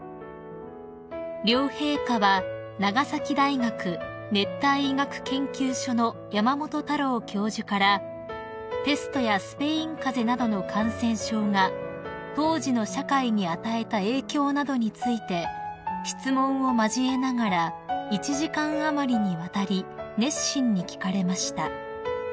［両陛下は長崎大学熱帯医学研究所の山本太郎教授からペストやスペイン風邪などの感染症が当時の社会に与えた影響などについて質問を交えながら１時間余りにわたり熱心に聞かれました］